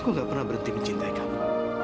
aku gak pernah berhenti mencintai kamu